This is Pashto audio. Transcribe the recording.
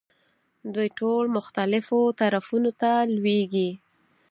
دوی ټول مختلفو طرفونو ته لویېږي.